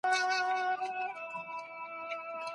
ړوند سړی به د ږیري سره ډېري مڼې ونه خوري.